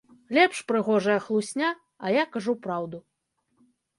Лепш прыгожая хлусня, а я кажу праўду.